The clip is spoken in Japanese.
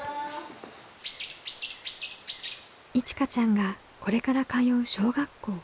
いちかちゃんがこれから通う小学校。